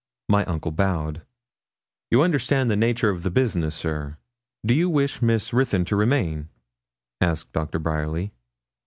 My uncle bowed. 'You understand the nature of the business, sir. Do you wish Miss Ruthyn to remain?' asked Doctor Bryerly.